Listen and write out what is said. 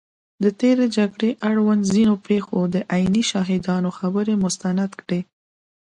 د تېرې جګړې اړوند ځینو پېښو د عیني شاهدانو خبرې مستند کړي